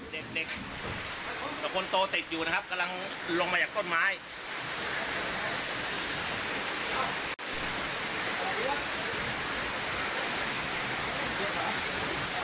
เด็กเด็กกับคนโตติดอยู่นะครับกำลังลงมาจากต้นไม้